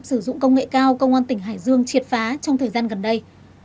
sử dụng công nghệ cao công an tỉnh hải dương triệt phá trong thời gian gần đây